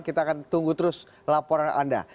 kita akan tunggu terus laporan anda